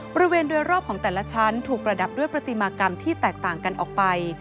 บริเวณโดยรอบของแต่ละชั้นถูกประดับด้วยปฏิมากรรมที่แตกต่างกันออกไป